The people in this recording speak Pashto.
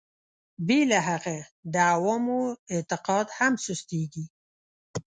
بې له هغه د عوامو اعتقاد هم سستېږي.